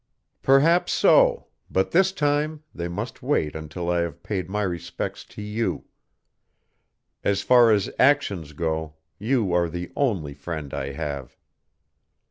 "Perhaps so, but this time they must wait until I have paid my respects to you. As far as actions go, you are the only friend I have."